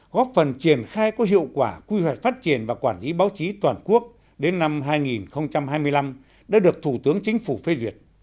góp phần triển khai có hiệu quả quy hoạch phát triển và quản lý báo chí toàn quốc đến năm hai nghìn hai mươi năm đã được thủ tướng chính phủ phê duyệt